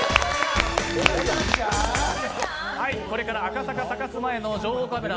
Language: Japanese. これから赤坂サカス前の情報カメラ